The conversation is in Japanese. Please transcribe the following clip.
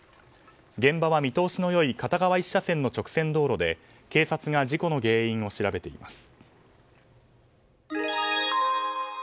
現場は見通しの良い片側１車線の直線道路で警察が事故の原因を調べています。